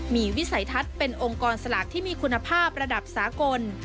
มีวิสัยทัศน์เป็นองค์กรสลากที่มีคุณภาพระดับสากล